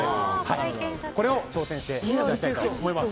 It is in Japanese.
これを挑戦していただきたいと思います。